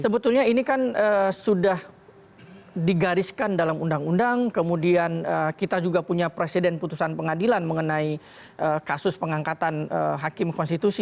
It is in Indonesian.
sebetulnya ini kan sudah digariskan dalam undang undang kemudian kita juga punya presiden putusan pengadilan mengenai kasus pengangkatan hakim konstitusi